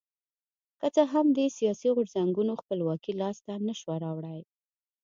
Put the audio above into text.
که څه هم دې سیاسي غورځنګونو خپلواکي لاسته نه شوه راوړی.